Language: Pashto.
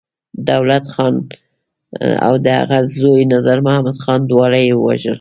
دولت خان او د هغه زوی نظرمحمد خان، دواړه يې ووژل.